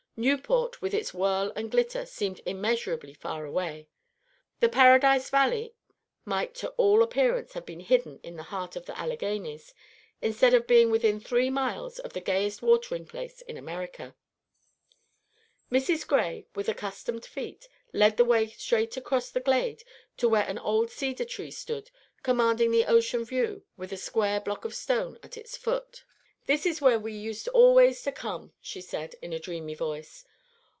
Newport, with its whirl and glitter, seemed immeasurably far away. The Paradise Valley might to all appearance have been hidden in the heart of the Alleghanies, instead of being within three miles of the gayest watering place in America! Mrs. Gray, with accustomed feet, led the way straight across the glade to where an old cedar tree stood commanding the oceanward view, with a square block of stone at its foot. "This is where we used always to come," she said, in a dreamy voice.